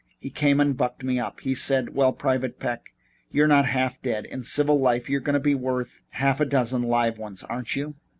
He came and bucked me up. He said: 'Why, Private Peck, you aren't half dead. In civil life you're going to be worth half a dozen live ones aren't you?'